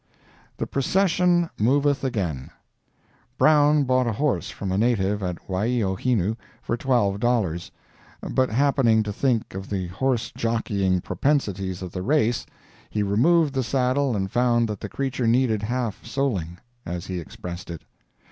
THE PROCESSION MOVETH AGAIN Brown bought a horse from a native at Waiohinu for twelve dollars, but happening to think of the horse jockeying propensities of the race, he removed the saddle and found that the creature needed "half soling," as he expressed it.